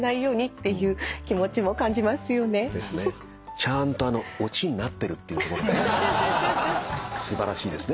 ちゃんとオチになってるっていうところも素晴らしいですね。